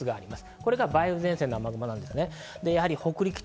これが梅雨前線の雨雲です。